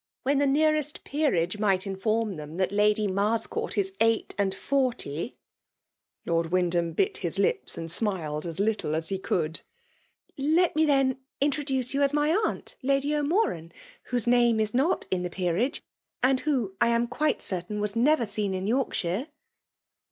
when die nearest peeragii might inform them that Lady Marseoart i» eight and forty !" Lord Wyndham bit his lips, and smiled as litde as he could. *' Let me then introduce you as my aunt, Lady O'Morad, whose name is not in the peerage, and who, I am quite certain, was never seen in Yorkshire."